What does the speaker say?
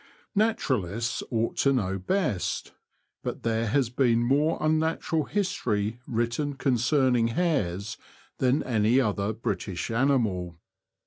Naturalists ought to know best ; but there has been more unnatural history written concerning hares than any other British animal.